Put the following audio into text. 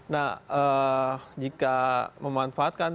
nah jika memanfaatkan